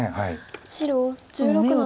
白１６の七。